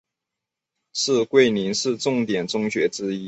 是桂林市重点中学之一。